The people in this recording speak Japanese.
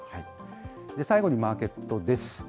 最後にマーケットです。